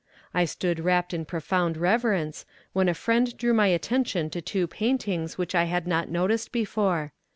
I stood wrapped in profound reverence, when a friend drew my attention to two paintings which I had not noticed before.